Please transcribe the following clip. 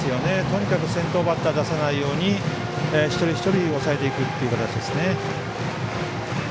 とにかく先頭バッター出さないように一人一人抑えていくっていう形ですね。